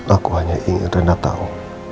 aku hanya ingin rena tahu